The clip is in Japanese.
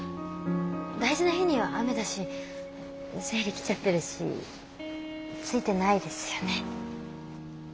大事な日には雨だし生理来ちゃってるしついてないですよね。